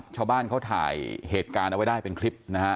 ชาวบ้านเขาถ่ายเหตุการณ์เอาไว้ได้เป็นคลิปนะฮะ